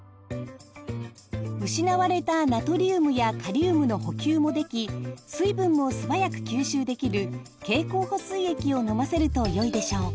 失われたナトリウムやカリウムの補給もでき水分も素早く吸収できる経口補水液を飲ませるとよいでしょう。